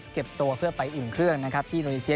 เก็บโตเพื่อไปอุ่นเครื่องที่หนเซีย